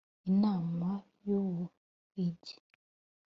imana y’ubuhigi